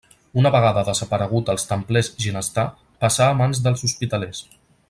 Una vegada desaparegut els templers Ginestar passà a mans dels hospitalers.